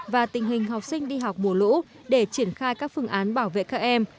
và tình hình học sinh đi học mùa lũ để triển khai các phương án bảo vệ các em